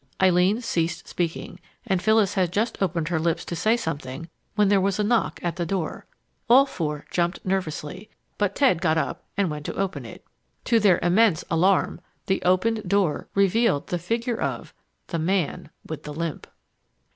Eileen ceased speaking, and Phyllis had just opened her lips to say something when there was a knock at the door. All four jumped nervously, but Ted got up and went to open it. To their immense alarm, the opened door revealed the figure of "the man with the limp!"